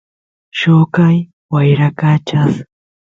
lloqay wyrakachas